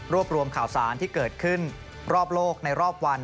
รวมข่าวสารที่เกิดขึ้นรอบโลกในรอบวัน